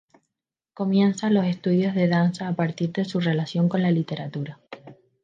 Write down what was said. Comienza los estudios de danza a partir de su relación con la literatura.